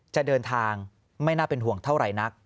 จะเดินทางไม่น่าเป็นห่วงเท่าไหร่นัก